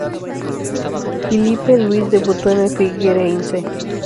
Filipe Luís debutó en el Figueirense.